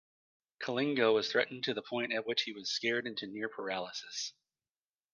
Kalingo was threatened to the point at which he was scared into near-paralysis.